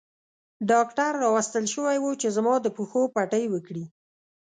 ډاکټر راوستل شوی وو چې زما د پښو پټۍ وکړي.